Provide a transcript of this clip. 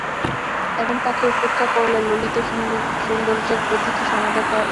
এবং তাকে উপেক্ষা করলে ললিত সৌন্দর্যের প্রতি কি সমাদর রক্ষা হবে?